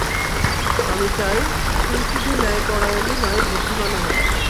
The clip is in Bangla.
আমি চাই, তুই শুধু ন্যায়পরায়ণই নয়, বুদ্ধিমানও হবি।